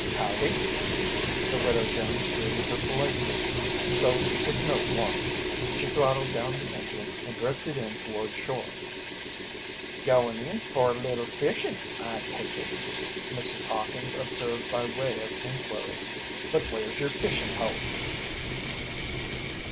"Howdy," the Widow Jones greeted her politely though with no warmth. She throttled down the engine and drifted in toward shore. "Goin' in fer a little fishin', I take it," Mrs. Hawkins observed by way of inquiry. "But where's yer fishin' poles?"